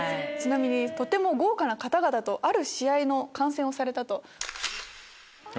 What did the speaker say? とても豪華な方々とある試合の観戦をされたと。